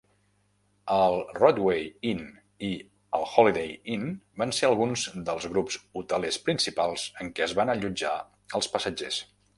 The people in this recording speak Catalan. El Rodeway Inn i el Holiday Inn van ser alguns dels grups hotelers principals en què es van allotjar els passatgers.